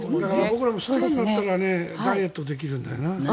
僕らも注目されたらダイエットできるんだよな。